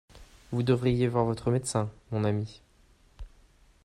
Vous devriez voir votre médecin, mon ami.